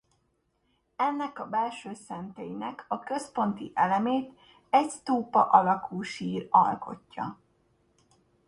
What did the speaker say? Ennek a belső szentélynek a központi elemét egy sztúpa alakú sír alkotja.